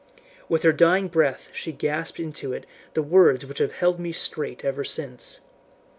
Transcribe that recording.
With her dying breath she gasped into it the words which have held me straight ever since.